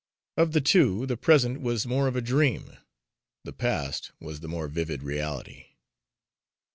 Of the two, the present was more of a dream, the past was the more vivid reality.